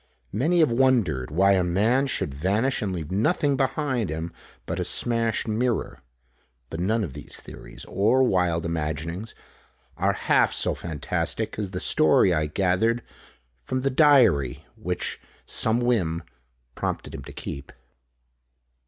Many have wondered why a man should vanish and leave nothing behind him but a smashed mirror. But none of these theories or wild imaginings are half so fantastic as the story I gathered from the diary which some whim prompted him to keep.